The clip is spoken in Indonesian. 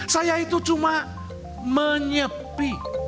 saya itu cuma menyepi